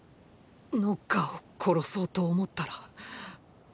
ノッカーを殺そうと思ったらッ